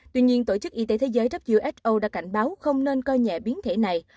tuy nhiên tổ chức y tế thế giới who đã cảnh báo không nên coi nhẹ biến thể này